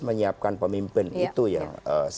menyiapkan pemimpin itu yang